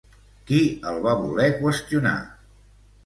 Qui el va voler qüestionar?